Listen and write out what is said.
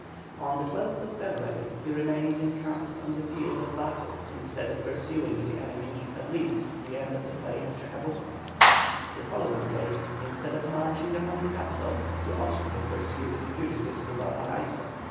On the 12th February he remained encamped on the field of battle instead of pursuing the enemy at least to the end of the plain of Chacabuco. The following day, instead of marching upon the capital he ought to have pursued the fugitives to Valparaiso.